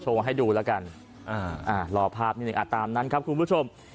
โชว์ให้ดูแล้วกันอ่าอ่ารอภาพนิดหนึ่งอ่าตามนั้นครับคุณผู้ชม